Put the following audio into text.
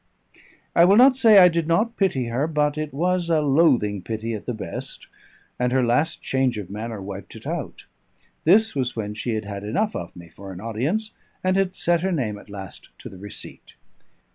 I will not say I did not pity her, but it was a loathing pity at the best; and her last change of manner wiped it out. This was when she had had enough of me for an audience, and had set her name at last to the receipt.